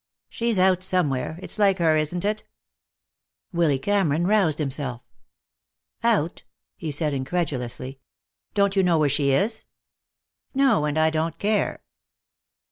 "She's out somewhere. It's like her, isn't it?" Willy Cameron roused himself. "Out?" he said incredulously. "Don't you know where she is?" "No. And I don't care."